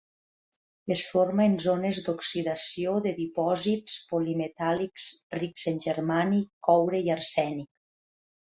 Es forma en zones d’oxidació de dipòsits polimetàl·lics rics en germani, coure i arsènic.